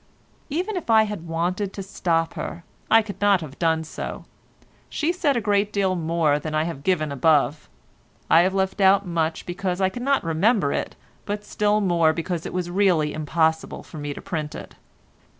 Even if I had wanted to stop her, I could not have done so. She said a great deal more than I have given above. I have left out much because I could not remember it, but still more because it was really impossible for me to print it.